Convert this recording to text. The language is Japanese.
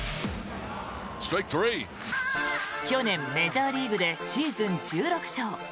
去年、メジャーリーグでシーズン１６勝。